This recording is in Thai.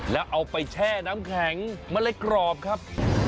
แล้วเอาไปแช่น้ำแข็งเมล็ดกรอบครับ